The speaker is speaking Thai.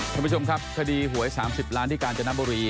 คุณผู้ชมครับคดีหวย๓๐ล้านที่การจะนับบรี